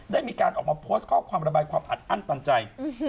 ได้มีการออกมาโพสต์ข้อความระบายความอัดอั้นตันใจ